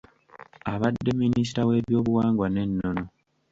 Abadde minisita w’ebyobuwangwa n’ennono.